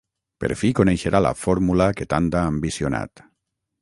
Per fi coneixerà la fórmula que tant ha ambicionat.